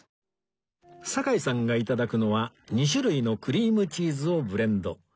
堺さんが頂くのは２種類のクリームチーズをブレンド